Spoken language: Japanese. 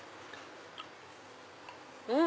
うん！